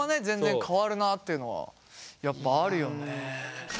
全然変わるなっていうのはやっぱあるよね。